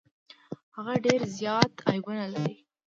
هغه ډیر زيات عيبونه لري.